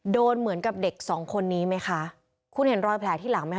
โดนเหมือนกับเด็กสองคนนี้ไหมคะคุณเห็นรอยแผลที่หลังไหมค